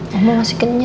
roman masih kenyam iya